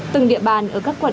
từng địa bàn ở các quận